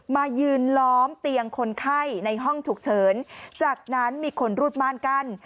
มายืนล้อมเตียงคนไข้ในห้องฉุกเฉินจากนั้นมีคนรูดม่านกั้น